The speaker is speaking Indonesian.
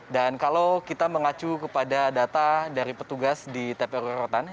dan kalau kita mengacu kepada data dari petugas di tpu rorotan